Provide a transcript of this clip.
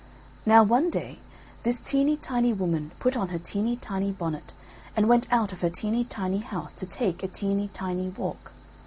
Now, one day this teeny tiny woman put on her teeny tiny bonnet, and went out of her teeny tiny house to take a teeny tiny walk.